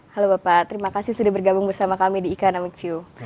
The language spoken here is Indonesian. halo bapak terima kasih sudah bergabung bersama kami di ikan amic view